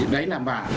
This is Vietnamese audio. đấy là mà